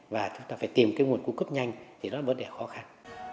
và chúng ta phải tìm nguồn cung cấp nhanh thì đó là vấn đề khó khăn